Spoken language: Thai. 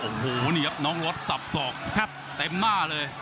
โอ้โหนี่ครับน้องรถสับสอกแทบเต็มหน้าเลย